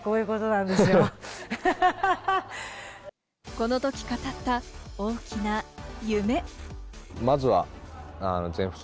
このとき語った大きな夢。